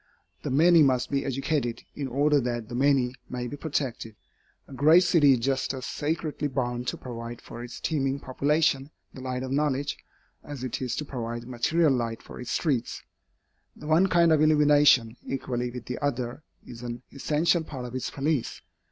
The many must be educated, in order that the many may be protected. A great city is just as sacredly bound to provide for its teeming population the light of knowledge, as it is to provide material light for its streets. The one kind of illumination, equally with the other, is an essential part of its police.